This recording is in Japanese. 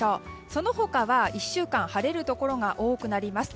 その他は１週間晴れるところが多くなります。